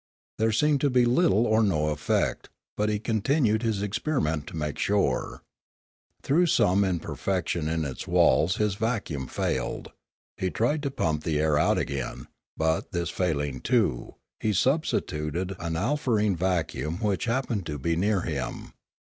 There seemed to be little or no effect, but he continued his experiment to make sure. Through some imperfec tion in its walls his vacuum failed; he tried to pump the air out again, but, this failing too, he substituted an alfarene vacuum which happened to be near him.